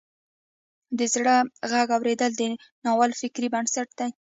د زړه غږ اوریدل د ناول فکري بنسټ دی.